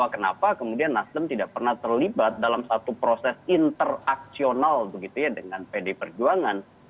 kenapa kemudian nasdem tidak pernah terlibat dalam satu proses interaksional begitu ya dengan pd perjuangan